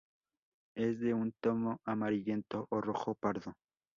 Es de un tono amarillento o rojo pardo.